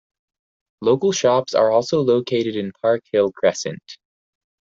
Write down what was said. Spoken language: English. Local shops are also located in Parkhill Crescent.